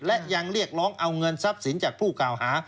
และยังเรียกร้องเอาเงินทรัพย์สินจากผู้กล่าวหา